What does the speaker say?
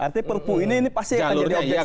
artinya perpu ini pasti akan jadi objek sihat atau sis